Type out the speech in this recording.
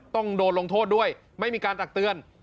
ต้องโดนลงโทษด้วยไม่มีการตักเตือน